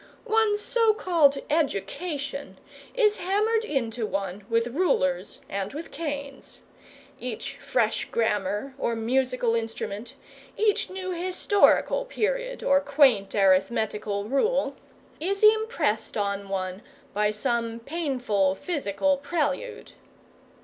One's so called education is hammered into one with rulers and with canes. Each fresh grammar or musical instrument, each new historical period or quaint arithmetical rule, is impressed on one by some painful physical prelude.